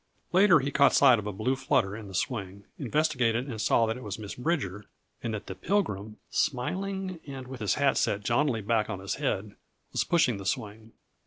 Later he caught sight of a blue flutter in the swing; investigated and saw that it was Miss Bridger, and that the Pilgrim, smiling and with his hat set jauntily back on his head, was pushing the swing.